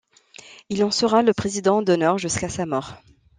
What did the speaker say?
Il en sera le président d'honneur jusqu'à sa mort.